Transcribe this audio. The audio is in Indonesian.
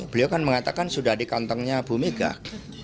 beliau kan mengatakan sudah di kantangnya ibu megawati